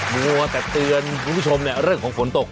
มัวแต่เตือนคุณผู้ชมเรื่องของฝนตก